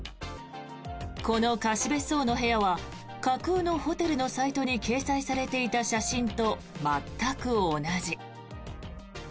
この貸別荘の部屋は架空のホテルのサイトに掲載されていた写真と全く同じ。